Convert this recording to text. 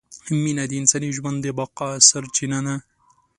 مینه د انساني ژوند د بقاء سرچینه ده!